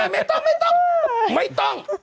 ไม่ต้อง